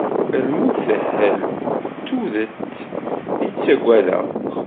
lmut tehel, d tudet i ttaggadeɣ.